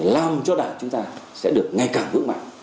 làm cho đảng chúng ta sẽ được ngày càng vững mạnh